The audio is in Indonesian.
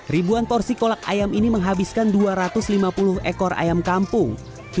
ribuan porsi kolak ayam ini menghabiskan dua ratus lima puluh ekor ayam kampung